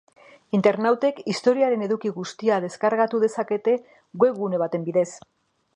Internautek istorioaren eduki guztia deskargatu dezakete webgune baten bidez.